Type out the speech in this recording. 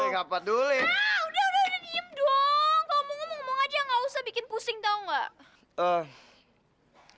udah udah diem dong kalau ngomong aja nggak usah bikin pusing tau enggak